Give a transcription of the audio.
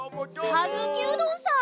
さぬきうどんさん？